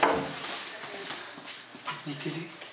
寝てる？